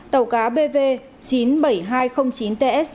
tàu cá bv chín mươi bảy nghìn hai trăm linh chín ts